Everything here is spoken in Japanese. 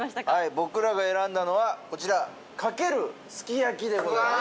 僕らが選んだのはこちらかけるすき焼でございます